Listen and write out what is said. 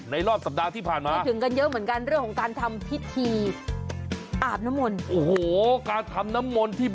ในรอบสัปดาห์ที่ผ่านมาเรื่องของการทำพิธีอาบน้ำมนตร์